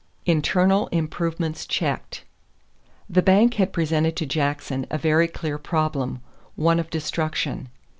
=Internal Improvements Checked.= The bank had presented to Jackson a very clear problem one of destruction.